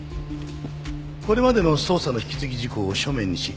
これまでの捜査の引き継ぎ事項を書面にし提出してくれ。